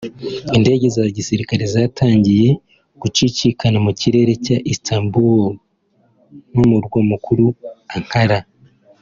indege za Gisirikare zatangiye gucicikana mu kirere cya Istanbul n’Umurwa Mukuru Ankara